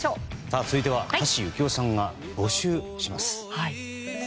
続いては橋幸夫さんが募集します。